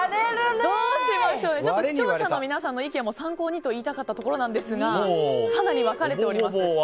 視聴者の皆さんの意見も参考にと言いたかったんですがかなり分かれております。